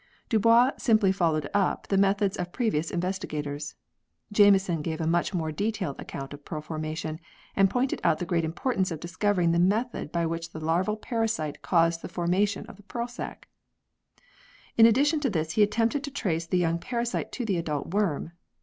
Dubois simply followed up the methods of previous investigators. Jameson gave a much more detailed account of pearl formation, and pointed out the great importance of discovering the method by which the larval parasite caused the formation of the pearl sac. In addition to this he attempted to trace the young parasite to the adult worm.